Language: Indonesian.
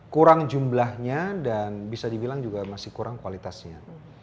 kurang jumlahnya dan bisa dibilang juga masih kurang kualitasnya